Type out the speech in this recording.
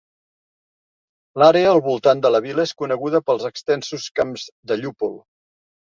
L'àrea al voltant de la vila és coneguda pels extensos camps de llúpol.